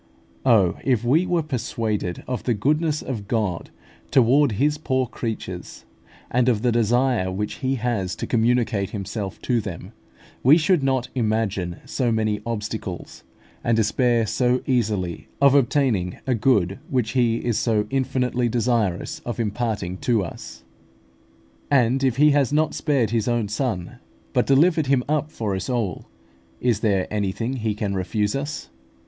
Oh! if we were persuaded of the goodness of God toward His poor creatures, and of the desire which He has to communicate Himself to them, we should not imagine so many obstacles, and despair so easily of obtaining a good which He is so infinitely desirous of imparting to us. And if He has not spared His own Son, but delivered Him up for us all, is there anything He can refuse us?